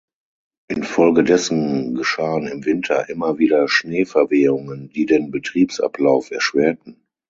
Infolgedessen geschahen im Winter immer wieder Schneeverwehungen, die den Betriebsablauf erschwerten.